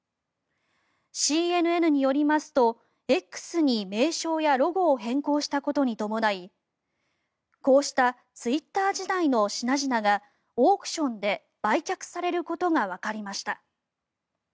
ＣＮＮによりますと、Ｘに名称やロゴを変更したことに伴いこうしたツイッター時代の品々がオークションで売却されることがわかりました。